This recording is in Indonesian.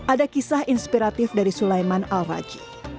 ada kisah inspiratif dari sulaiman al raji